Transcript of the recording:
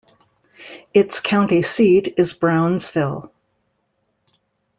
Its county seat is Brownsville.